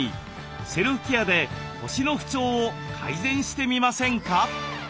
セルフケアで腰の不調を改善してみませんか？